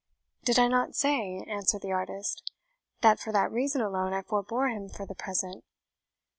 "Did I not say," answered the artist, "that for that reason alone I forbore him for the present?